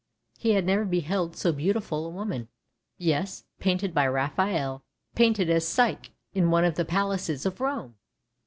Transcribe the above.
He had never beheld so beautiful a woman. Yes — painted by Raphael, painted as Psyche, in one of the palaces of Rome!